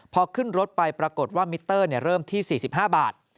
พอขึ้นรถไปปรากฏว่ามิเตอร์เริ่มที่๔๕บาท